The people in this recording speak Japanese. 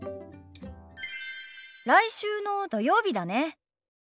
来週の土曜日だね。